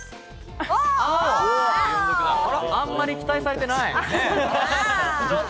あんまり期待されていない。